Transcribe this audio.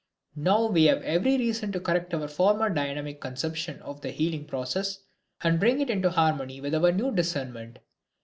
Now we have every reason to correct our former dynamic conception of the healing process, and to bring it into harmony with our new discernment.